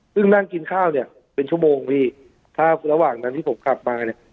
ซึ่งนั่งกินข้าวเนี่ยเป็นชั่วโมงพี่ถ้าระหว่างนั้นที่ผมขับมาเนี่ย